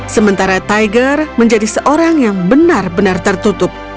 sementara tiger menjadi seorang yang benar benar tertutup